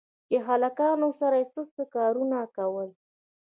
چې هلکانو سره يې څه څه کارونه کول.